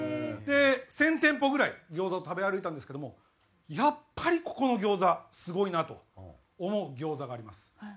で１０００店舗ぐらい餃子を食べ歩いたんですけどもやっぱりここの餃子すごいなと思う餃子があります。